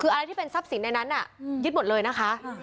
คืออะไรที่เป็นทรัพย์สินในนั้นยึดหมดเลยนะคะ